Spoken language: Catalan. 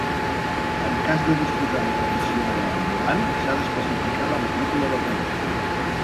En cas de disposar de farmaciola ambulant s'ha d'especificar la matrícula del vehicle.